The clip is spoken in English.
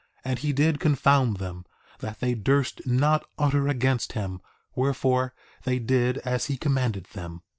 And he did confound them, that they durst not utter against him; wherefore, they did as he commanded them.